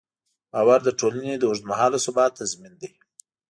باور د ټولنې د اوږدمهاله ثبات تضمین دی.